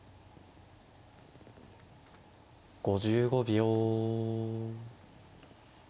５５秒。